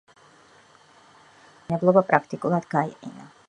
ომის შემდეგ სასახლის მშენებლობა პრაქტიკულად გაიყინა.